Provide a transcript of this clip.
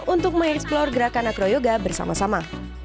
untuk mengeksplor gerakan acroyoga bersama sama